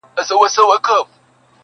• دغه ياغي خـلـگـو بــه منـلاى نـــه.